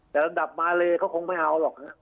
แต่ระดับมาร์เลเขาคงไม่เอาหรอก